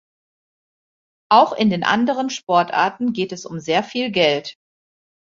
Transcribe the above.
Auch in anderen Sportarten geht es um sehr viel Geld.